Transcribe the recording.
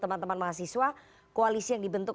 teman teman mahasiswa koalisi yang dibentuk